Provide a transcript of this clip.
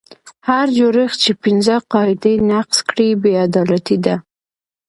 هر جوړښت چې پنځه قاعدې نقض کړي بې عدالتي ده.